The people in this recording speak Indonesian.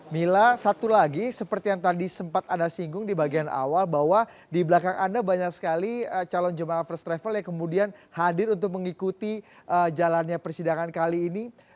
mila satu lagi seperti yang tadi sempat anda singgung di bagian awal bahwa di belakang anda banyak sekali calon jemaah first travel yang kemudian hadir untuk mengikuti jalannya persidangan kali ini